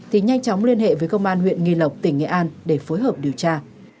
thì nhanh chóng liên hệ với công an huyện nghi lộc tỉnh nghệ an để phối hợp điều tra